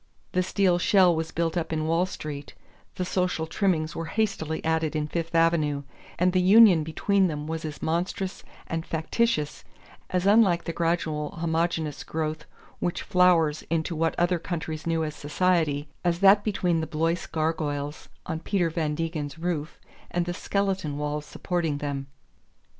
The steel shell was built up in Wall Street, the social trimmings were hastily added in Fifth Avenue; and the union between them was as monstrous and factitious, as unlike the gradual homogeneous growth which flowers into what other countries know as society, as that between the Blois gargoyles on Peter Van Degen's roof and the skeleton walls supporting them.